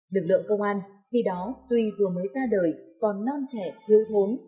lực lượng công an khi đó tuy vừa mới ra đời còn non trẻ thiếu thốn